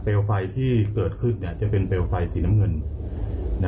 ไฟที่เกิดขึ้นจะเป็นเปลวไฟสีน้ำเงิน